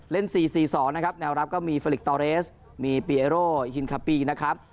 ๔๔๒นะครับแนวรับก็มีเฟอร์ลิกตอเรสมีปีเอโร่ฮินคาปีนะครับ